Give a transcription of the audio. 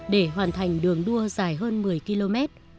để hoàn thành đường đua dài hơn một mươi km